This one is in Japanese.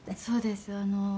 そうです。